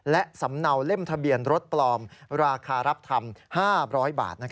และสำเนาเล่มทะเบียนรถปลอมราคารับทำ๕๐๐บาท